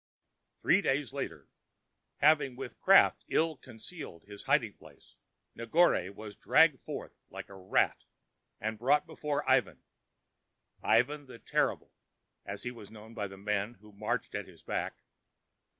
Three days later, having with craft ill concealed his hiding place, Negore was dragged forth like a rat and brought before Ivan—"Ivan the Terrible" he was known by the men who marched at his back.